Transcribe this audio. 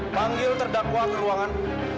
panggil terdakwa ke ruangan